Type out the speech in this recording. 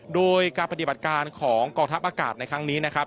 โดยการปฏิบัติการของกองทัพอากาศในครั้งนี้นะครับ